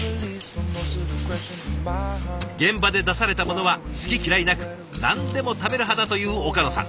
現場で出されたものは好き嫌いなく何でも食べる派だという岡野さん。